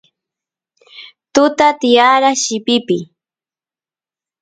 tuta tiyara llipipiy